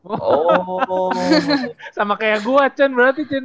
oh sama kayak gua cun berarti cun